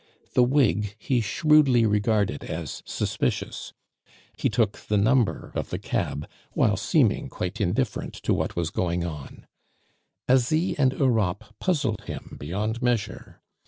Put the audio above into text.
The wig he shrewdly regarded as suspicious; he took the number of the cab while seeming quite indifferent to what was going on; Asie and Europe puzzled him beyond measure.